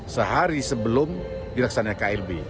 sehari sebelum dilaksanakan klb